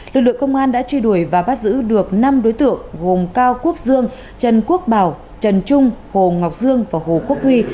lực lượng công an đã truy đuổi và bắt giữ được năm đối tượng gồm cao quốc dương trần quốc bảo trần trung hồ ngọc dương và hồ quốc huy